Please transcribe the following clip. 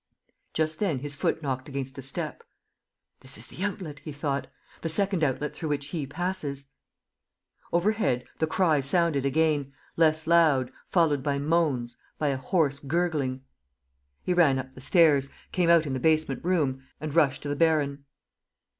Just then his foot knocked against a step. "This is the outlet," he thought, "the second outlet through which 'he' passes." Overhead, the cry sounded again, less loud, followed by moans, by a hoarse gurgling. ... He ran up the stairs, came out in the basement room, and rushed to the baron.